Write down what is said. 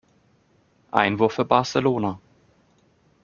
Einwurf für Barcelona.